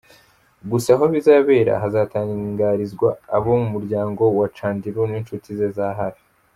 Gusa aho bizabera hazatangarizwa abo mu muryango wa Chandiru n’inshuti ze za hafi.